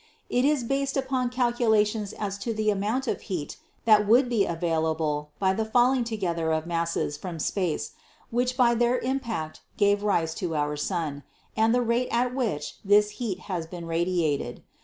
It is based upon calculations as to the amount of heat that would be available by the falling together of masses from space, which by their impact gave rise to our sun, and the rate at which this heat has been radiated.